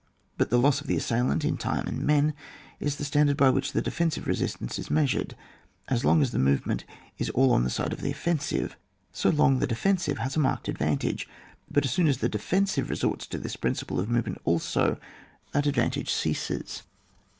But the loss of the assailant in time and men is the standard by which the defensive resistance is mea sured. As long as the movement is all on the side of the offensive so long the de* fensive has a marked advantage ; but as soon as the defensive resorts to this prin ciple of movement also, that advantage ceases.